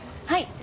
はい。